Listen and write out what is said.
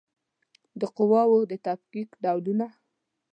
د قواوو د تفکیک ډولونه